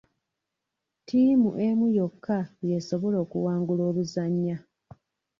Ttiimu emu yokka yesobola okuwangula oluzannya.